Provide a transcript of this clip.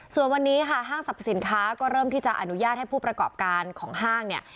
ส่วนวันนี้ค่ะห้างสรรพสินค้าก็เริ่มที่จะอนุญาตให้ผู้ประกอบการของห้างเนี่ย